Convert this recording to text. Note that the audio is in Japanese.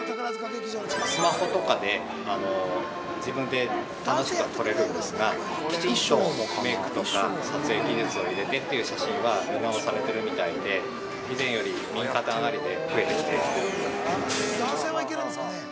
◆スマホとかで自分で楽しくは撮れるんですが衣装、メイクとか撮影技術を入れてっていう写真は見直されてるみたいで以前より右肩上がりで増えてきています。